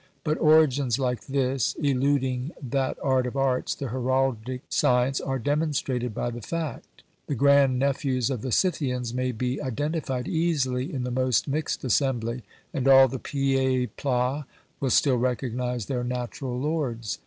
But origins like this, eluding that art of arts the heraldic science, are demonstrated by the fact. The grand nephews of the Scythians may be identified easily in the most mixed assembly, and all the pieds plats will still recognise their natural lords.